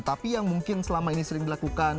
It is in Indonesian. tapi yang mungkin selama ini sering dilakukan